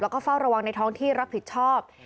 แล้วก็เฝ้าระวังในท้องที่รับผิดชอบ